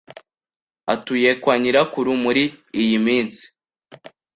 Atuyekwa nyirakuru muri iyi minsi